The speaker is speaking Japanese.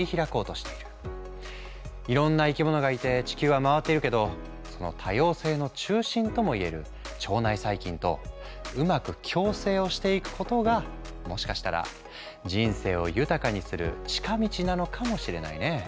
いろんな生き物がいて地球は回っているけどその多様性の中心ともいえる腸内細菌とうまく共生をしていくことがもしかしたら人生を豊かにする近道なのかもしれないね。